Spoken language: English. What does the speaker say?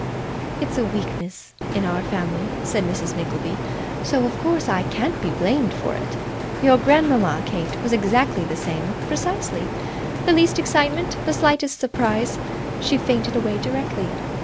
'It's a weakness in our family,' said Mrs. Nickleby, 'so, of course, I can't be blamed for it. Your grandmama, Kate, was exactly the same precisely. The least excitement, the slightest surprise she fainted away directly.